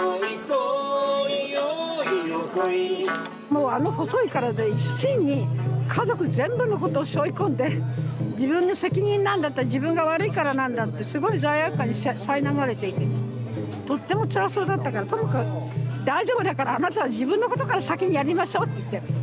もうあの細い体で一身に家族全部のことをしょい込んで自分の責任なんだ自分が悪いからなんだってすごい罪悪感にさいなまれていてねとってもつらそうだったからともかく大丈夫だからあなたは自分のことから先にやりましょうって言って。